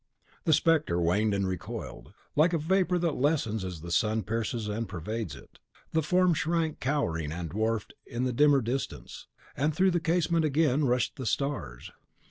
The spectre waned and recoiled. Like a vapour that lessens as the sun pierces and pervades it, the form shrank cowering and dwarfed in the dimmer distance, and through the casement again rushed the stars.